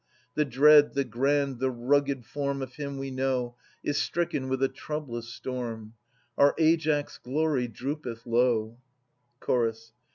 The dread, the grand, the rugged form Of him we know. Is stricken with a troublous storm; Our Aias' glory droopeth low. Chorus.